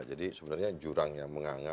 jadi sebenarnya jurang yang menganga